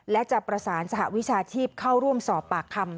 และจะประสานสหวิชาชีพเข้าร่วมสอบปากคำ